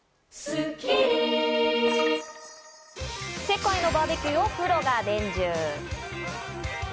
世界のバーベキューをプロが伝授。